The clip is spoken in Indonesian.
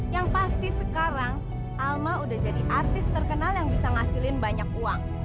yang pasti sekarang alma sudah jadi artis terkenal yang bisa ngasilin banyak uang